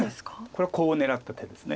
これはコウを狙った手です。